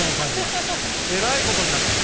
えらいことになってる。